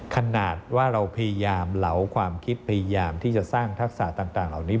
ขนาดว่าเราพยายามเหลาความคิดพยายามที่จะสร้างทักษะต่างเหล่านี้